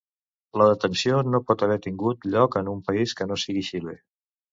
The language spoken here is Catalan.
La detenció no pot haver tingut lloc en un país que no sigui Xile.